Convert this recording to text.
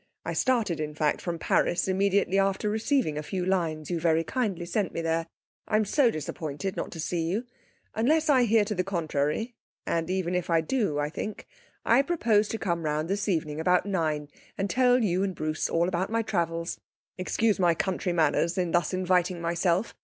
I started, in fact, from Paris immediately after receiving a few lines you very kindly sent me there. I'm so disappointed not to see you. Unless I hear to the contrary and even if I do, I think! I propose to come round this evening about nine, and tell you and Bruce all about my travels. 'Excuse my country manners in thus inviting myself.